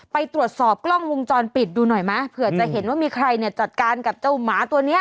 ไปตรวจสอบกล้องวงจรปิดดูหน่อยไหมเผื่อจะเห็นว่ามีใครเนี่ยจัดการกับเจ้าหมาตัวเนี้ย